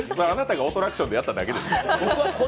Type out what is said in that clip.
あなたが「オトラクション」でやっただけですから。